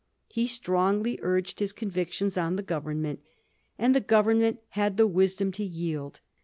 He strongly urged his convictions on the Government, and the Govern ment had the wisdom to yield.